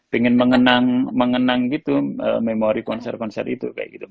pengen mengenang gitu memori konser konser itu